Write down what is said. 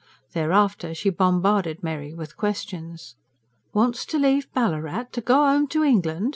Thereafter she bombarded Mary with questions. "Wants to leave Ballarat? To go home to England?"